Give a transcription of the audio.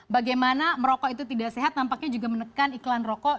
bagaimana merokok itu tidak sehat nampaknya juga menekan iklan rokok